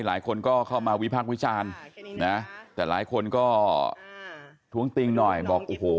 หลายคนก็เข้ามาวิพากษ์วิจารณ์นะแต่หลายคนก็ท้วงติงหน่อยบอกโอ้โห